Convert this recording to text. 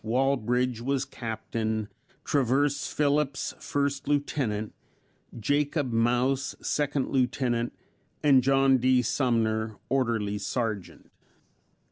Walbridge was Captain; Traverse Phillips, First Lieutenant; Jacob Maus, Second Lieutenant, and John D. Sumner, Orderly Sergeant.